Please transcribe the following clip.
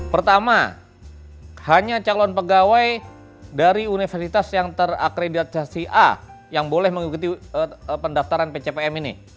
pertama hanya calon pegawai dari universitas yang terakreditasi a yang boleh mengikuti pendaftaran pcpm ini